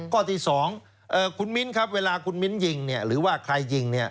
ข้อที่๒คุณมิ้นครับเวลาคุณมิ้นยิงหรือว่าใครยิง